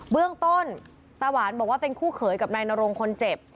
เบื้องต้นตาหวานบอกว่าเป็นคู่เขยกับนายนรงคนเจ็บ